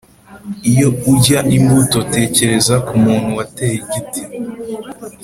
iyo urya imbuto tekereza ku muntu wateye igiti.